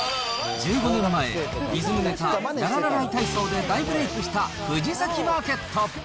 １５年前、リズムネタ、ラララライ体操で大ブレークした藤崎マーケット。